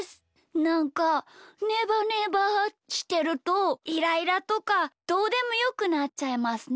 なんかねばねばしてるとイライラとかどうでもよくなっちゃいますね。